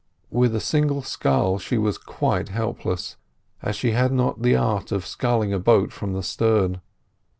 With a single scull she was quite helpless, as she had not the art of sculling a boat from the stern.